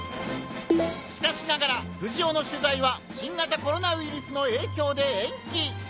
しかしながら藤尾の取材は『新型コロナウイルス』の影響で延期！